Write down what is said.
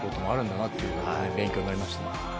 勉強になりましたね。